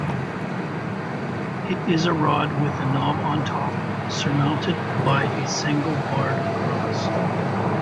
It is a rod with a knob on top surmounted by a single-barred cross.